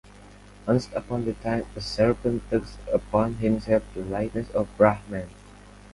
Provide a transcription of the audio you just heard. Once upon a time, a serpent took upon himself the likeness of a Brahman.